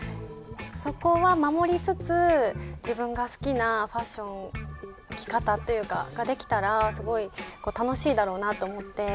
そこは守りつつ自分が好きなファッション着方というかができたらすごい楽しいだろうなと思って。